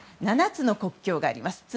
７つの国境があります。